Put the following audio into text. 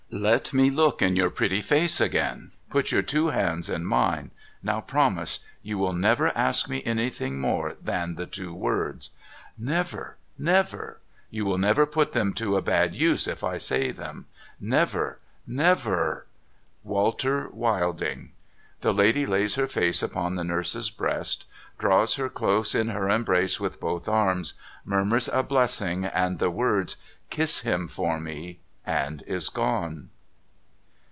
Let me look in your pretty face again. Put your two hands in mine. Now, promise. You will never ask me anything more than the two words ?'* Never ! Never !'* You will never put them to a bad use, if I say them?' * Never ! Never !'■. 474 NO THOROUGHFARE ' Walter Wilding.' The lady lays her face upon the nurse's breast, draws her close in her embrace with both arms, murmurs a blessing and the words, ' Kiss him for me !' and is gone.